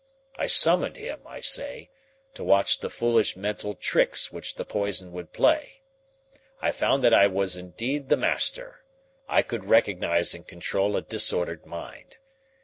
I summoned him, I say, to watch the foolish mental tricks which the poison would play. I found that I was indeed the master. I could recognize and control a disordered mind.